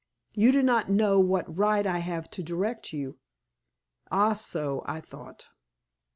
You do not know what right I have to direct you? Ah! so I thought.